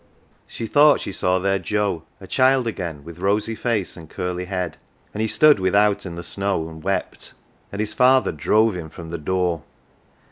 She thought she saw their Joe, a child again with rosy face and curly head ; and he stood without in the snow and wept, and his father drove him from the door.